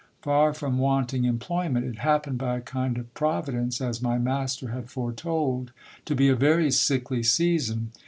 Far from wanting employment, it happened by a kind providence, as my master had foretold, to be a very sickly season.